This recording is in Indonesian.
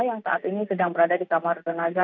yang saat ini sedang berada di kamar jenazah